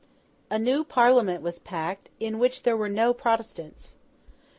A new Parliament was packed, in which there were no Protestants.